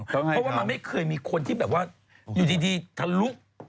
เพราะว่ามันไม่เคยมีคนที่แบบว่าอยู่ดีทะลุ